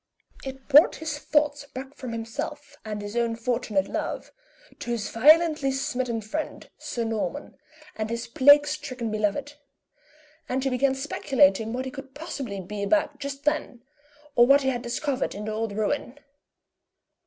It brought his thoughts back from himself and his own fortunate love, to his violently smitten friend, Sir Norman, and his plague stricken beloved; and he began speculating what he could possibly be about just then, or what he had discovered in the old ruin.